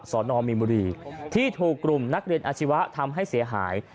สอนอมมีนบุรีที่ถูกกลุ่มนักเรียนอาชีวะทำให้เสียหาย